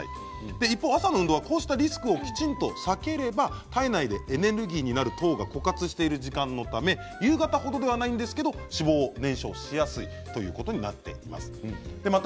一方、朝の運動はこうしたリスクをきちんと避ければ体内でエネルギーになる糖が枯渇しているため夕方程ではないんですけれど脂肪燃焼しやすいということになっています。